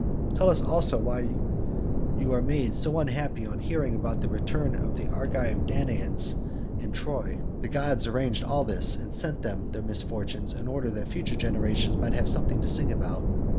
Tell us also why you are made so unhappy on hearing about the return of the Argive Danaans from Troy. The gods arranged all this, and sent them their misfortunes in order that future generations might have something to sing about.